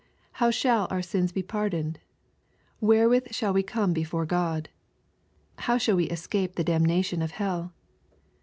" How shall our sins be pardoned? Where ^ with shall we come before GFod ? How shall we escape the damnation of hell